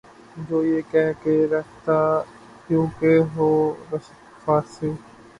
جو یہ کہے کہ ’’ ریختہ کیوں کہ ہو رشکِ فارسی؟‘‘